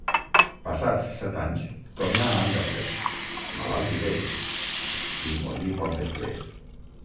Passats set anys, tornà a Anderlecht, malalt i vell, i hi morí poc després.